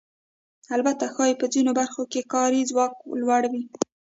البته ښایي په ځینو برخو کې کاري ځواک لوړ وي